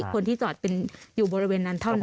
คนที่จอดเป็นอยู่บริเวณนั้นเท่านั้น